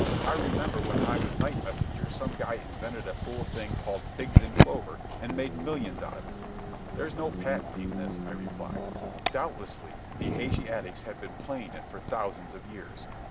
I remember when I was night messenger some guy invented a fool thing called Pigs in Clover and made millions out of it." "There's no patenting this," I replied. "Doubtlessly the Asiatics have been playing it for thousands of years.